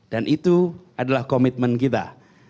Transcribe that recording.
dan itu adalah komitmen kita